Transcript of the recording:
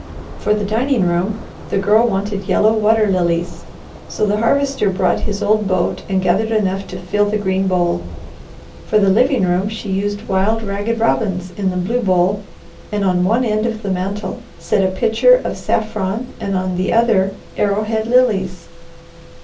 For the dining room, the Girl wanted yellow water lilies, so the Harvester brought his old boat and gathered enough to fill the green bowl. For the living room, she used wild ragged robins in the blue bowl, and on one end of the mantel set a pitcher of saffron and on the other arrowhead lilies.